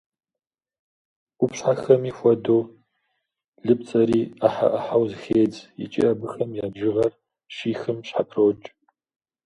Къупщхьэхэми хуэдэу, лыпцӏэри ӏыхьэ-ӏыхьэу зэхедз, икӏи абыхэм я бжыгъэр щихым щхьэпрокӏ.